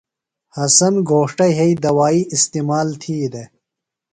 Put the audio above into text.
حسن گھوݜٹہ یھئی دوائی استعمال تِھی دےۡ۔